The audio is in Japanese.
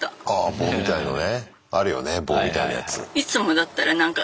棒みたいなやつ。